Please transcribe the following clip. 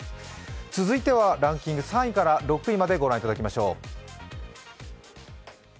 続いては、ランキング３位から６位まで御覧いただきましょう。